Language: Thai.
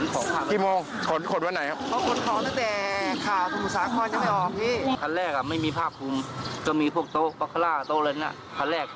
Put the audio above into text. ผมลืมถ่ายคลิปไว้ให้พี่ดูล่ะเดี๋ยวจะได้เลยเขาขนของแล้วแต่